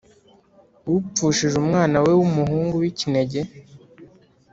upfushije umwana we w’umuhungu w’ikinege,